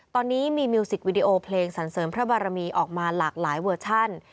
ตอนนี้มีมิวสิกวิดีโอเพลงสันเสริมพระบารมีออกมาหลากหลายเวอร์ชัน